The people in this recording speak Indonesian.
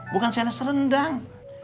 bukan sales rendang